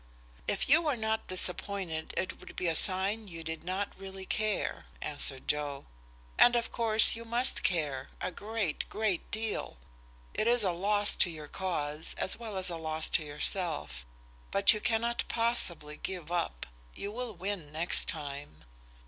"If you were not disappointed it would be a sign you did not really care," answered Joe. "And of course you must care a great, great deal. It is a loss to your cause, as well as a loss to yourself. But you cannot possibly give it up; you will win next time."